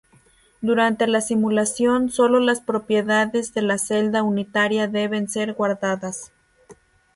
Durante la simulación sólo las propiedades de la celda unitaria deben ser guardadas.